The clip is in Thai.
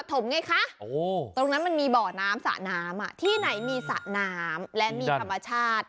ไงคะตรงนั้นมันมีบ่อน้ำสระน้ำที่ไหนมีสระน้ำและมีธรรมชาติ